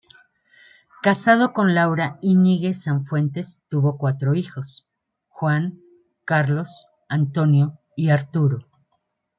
Casado con Laura Íñiguez Sanfuentes, tuvo cuatro hijos: Juan, Carlos, Antonio y Arturo.